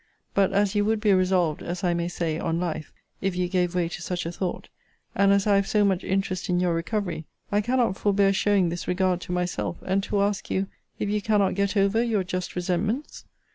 But as you would be resolved, as I may say, on life, if you gave way to such a thought; and as I have so much interest in your recovery; I cannot forbear showing this regard to myself; and to ask you, If you cannot get over your just resentments?